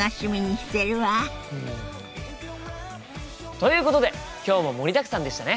ということで今日も盛りだくさんでしたね。